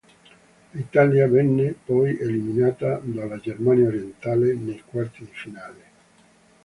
L'Italia venne poi eliminata dalla Germania Orientale, nei quarti di finale.